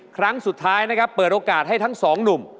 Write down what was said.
ครั้งสุดท้ายนะครับเปิดโอกาสให้ทั้งสองหนุ่ม